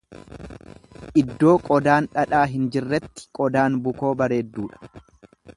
lddoo qodaan dhadhaa hin jirretti qodaan bukoo bareedduudha.